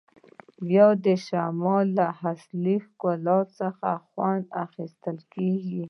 بیا د شمال له اصلي ښکلا څخه خوند اخیستل کیږي